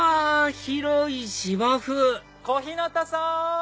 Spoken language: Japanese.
広い芝生小日向さん！